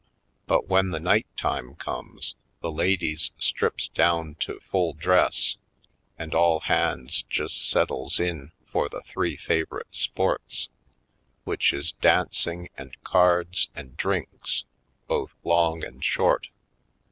But when the night time comes the ladies strips down to full dress and all hands just settles in for the three favorite sports, which is dancing Country Side 109 and cards and drinks, both long and short.